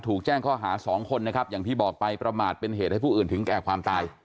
ถูกแจ้งข้อหาสองคนนะครับอย่างที่บอกไปประมาทเป็นเหตุให้ผู้อื่นถึงแก่ความตาย